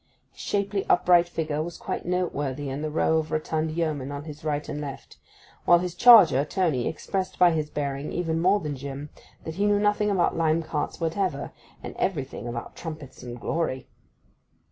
His shapely upright figure was quite noteworthy in the row of rotund yeomen on his right and left; while his charger Tony expressed by his bearing, even more than Jim, that he knew nothing about lime carts whatever, and everything about trumpets and glory.